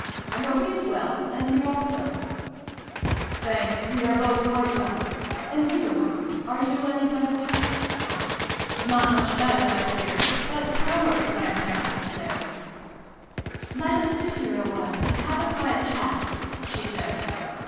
I hope he is well, and you also ?"" Thanks, we are both quite well. And you ? Are you any better yet ?" u 2QQ SYLVIE AND BRUNO CONCLUDED. "Not much better, I fear : but no worse, I am thankful to say." " Let us sit here awhile, and have a quiet chat," she said.